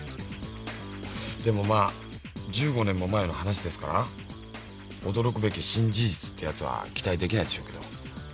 でもまぁ１５年も前の話ですから驚くべき新事実ってやつは期待できないでしょうけど。